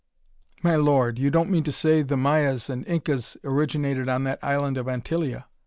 "My Lord! You don't mean to say the Mayas and Incas originated on that island of Antillia?"